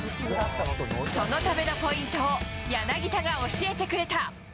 そのためのポイントを、柳田が教えてくれた。